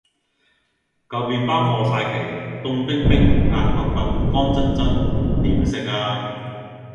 舊麵包過晒期凍冰冰硬掘掘乾爭爭點食呀